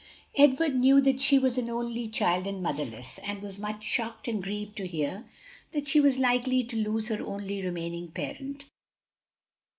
Edward knew that she was an only child and motherless, and was much shocked and grieved to hear that she was likely to lose her only remaining parent.